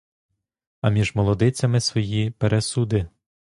А між молодицями свої пересуди.